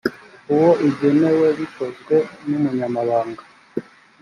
uwo igenewe bikozwe n umunyamabanga